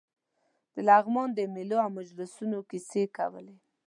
د لغمان د مېلو او مجلسونو کیسې کولې.